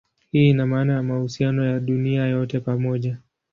Hii ina maana ya mahusiano ya dunia yote pamoja.